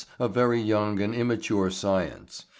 a very young and immature science.